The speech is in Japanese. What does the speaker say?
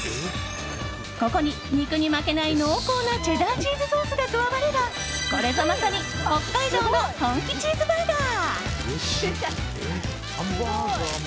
ここに肉に負けない濃厚なチェダーチーズソースが加わればこれぞまさに北海道の本気チーズバーガー。